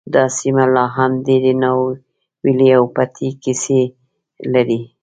دا سیمه لا هم ډیرې ناوییلې او پټې کیسې لري